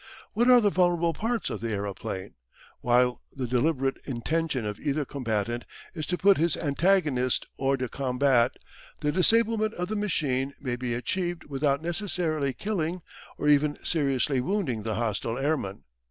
What are the vulnerable parts of the aeroplane? While the deliberate intention of either combatant is to put his antagonist hors de combat, the disablement of the machine may be achieved without necessarily killing or even seriously wounding the hostile airman.